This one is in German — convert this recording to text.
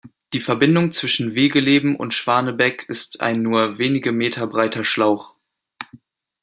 Die Verbindung zwischen Wegeleben und Schwanebeck ist ein nur wenige Meter breiter Schlauch.